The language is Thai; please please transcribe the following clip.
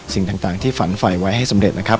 สิ่งต่างที่ฝันไฟไว้ให้สำเร็จนะครับ